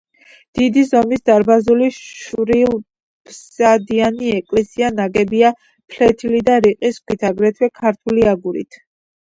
დიდი ზომის დარბაზული, შვერილაბსიდიანი ეკლესია ნაგებია ფლეთილი და რიყის ქვით, აგრეთვე ქართული აგურით.